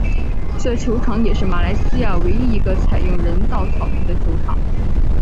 这球场也是马来西亚唯一一个采用人造草皮的球场。